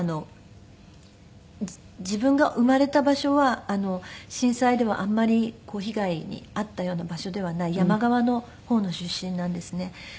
自分が生まれた場所は震災ではあんまり被害に遭ったような場所ではない山側の方の出身なんですね。